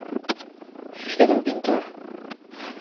Fillo dun pintor.